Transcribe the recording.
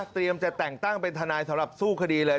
จะแต่งตั้งเป็นทนายสำหรับสู้คดีเลย